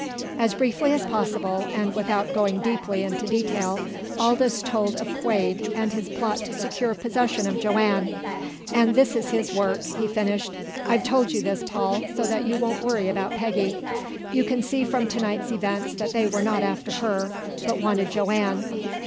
As briefly as possible, and without going deeply into detail, Aldous told of Quade and his plot to secure possession of Joanne. "And this is his work," he finished. "I've told you this, Paul, so that you won't worry about Peggy. You can see from to night's events that they were not after her, but wanted Joanne.